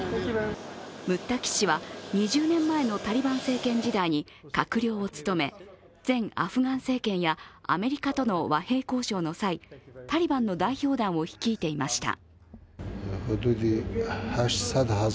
ムッタキ氏は２０年前のタリバン政権時代に閣僚を務め前アフガン政権やアメリカとの和平交渉の際、タリバンの代表団を率いていました。